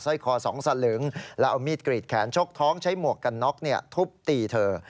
ร้อยคอ๒สลึงแล้วเอามีดกรีดแขนชกท้องใช้หมวกกันน็อกทุบตีเธอ